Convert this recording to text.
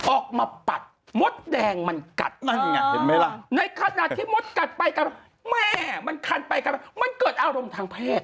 ออกมาปัดมดแดงมันกัดในขนาดที่มดกัดไปแม่มันคันไปมันเกิดอารมณ์ทางเพศ